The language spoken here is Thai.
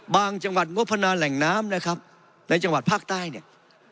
จังหวัดงบพนาแหล่งน้ำนะครับในจังหวัดภาคใต้เนี่ย